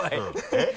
えっ？